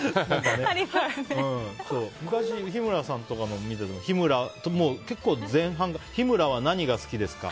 昔、日村さんとかのを見た時に結構、前半から日村は何が好きですか？